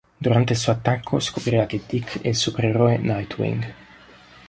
Durante il suo attacco, scoprirà che Dick è il supereroe Nightwing.